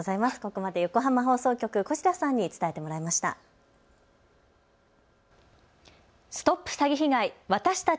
ここまで横浜放送局越田キャスターにお伝えしてもらいました。